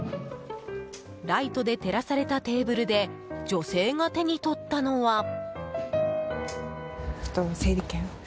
ライトで照らされたテーブルで女性が手に取ったのは。